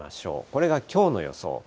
これがきょうの予想。